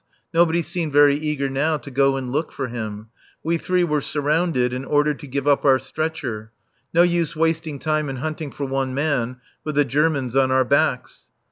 Nobody seemed very eager now to go and look for him. We three were surrounded and ordered to give up our stretcher. No use wasting time in hunting for one man, with the Germans on our backs.